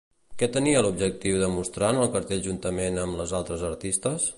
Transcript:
Què tenia l'objectiu de mostrar en el cartell juntament amb les altres artistes?